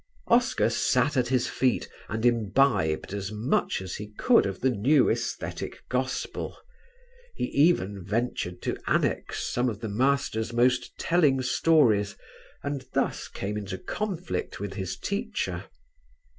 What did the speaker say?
Oscar sat at his feet and imbibed as much as he could of the new æsthetic gospel. He even ventured to annex some of the master's most telling stories and thus came into conflict with his teacher.